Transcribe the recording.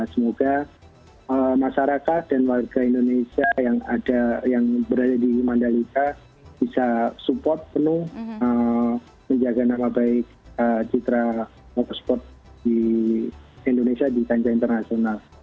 semoga masyarakat dan warga indonesia yang berada di mandalika bisa support penuh menjaga nama baik citra motorsport di indonesia di kancah internasional